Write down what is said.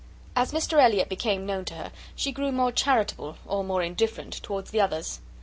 As Mr Elliot became known to her, she grew more charitable, or more indifferent, towards the others.